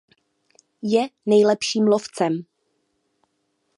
Je nejlepším lovcem.